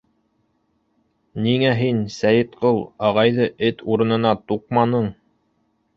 Ниңә һин Сәйетҡол ағайҙы эт урынына туҡманың?